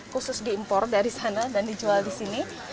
khusus diimpor dari sana dan dijual di sini